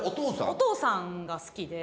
お父さんが好きで。